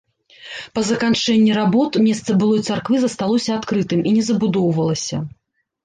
Па заканчэнні работ месца былой царквы засталося адкрытым і не забудоўвалася.